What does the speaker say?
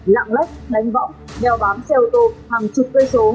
lạng lách đánh võng đeo bám xe ô tô hàng chục cây số